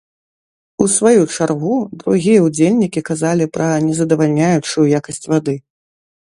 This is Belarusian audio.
У сваю чаргу другія ўдзельнікі казалі пра незадавальняючую якасць вады.